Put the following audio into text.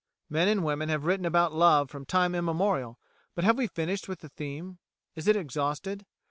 Men and women have written about love from time immemorial, but have we finished with the theme? Is it exhausted?